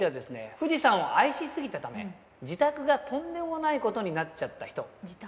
富士山を愛しすぎたため自宅がとんでもないことになっちゃった人自宅？